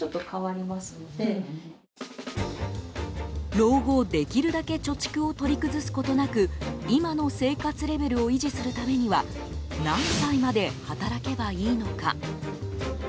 老後、できるだけ貯蓄を取り崩すことなく今の生活レベルを維持するためには何歳まで働けばいいのか。